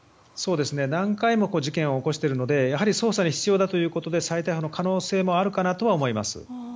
何回も事件を起こしているので捜査に必要だということで再逮捕の可能性もあるかなとは思います。